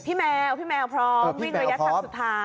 แมวพี่แมวพร้อมวิ่งระยะทางสุดท้าย